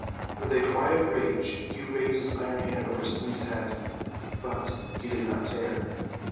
With a cry of rage he raised his iron hand over Smee's head; but he did not tear.